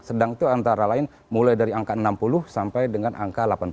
sedang itu antara lain mulai dari angka enam puluh sampai dengan angka delapan puluh